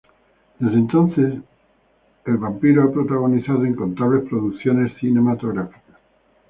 Desde entonces, el vampiro, ha protagonizado incontables producciones cinematográficas.